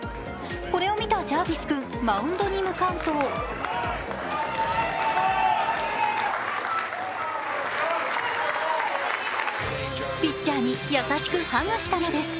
これを見たジャービス君、マウンドに向かうとピッチャーに優しくハグしたのです。